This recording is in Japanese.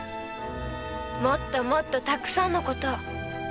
もっともっとたくさんのことを。